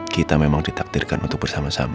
kita memang ditakdirkan untuk bersama sama